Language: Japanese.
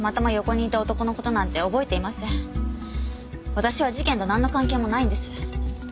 私は事件となんの関係もないんです。